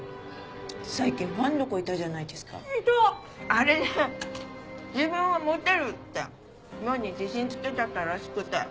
あれで自分はモテるって妙に自信つけちゃったらしくて。